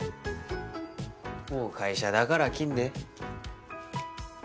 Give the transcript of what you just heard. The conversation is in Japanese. もう会社だから切んね。